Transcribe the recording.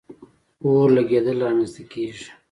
اور لګېدل را منځ ته کیږي.